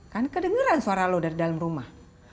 kan kedengeran suara lo dari dalam rumah